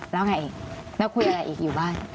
แล้วไงอีกแล้วคุยอะไรอีกอยู่บ้าน